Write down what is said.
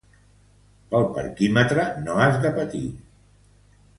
Pel parquímetre no has de patir.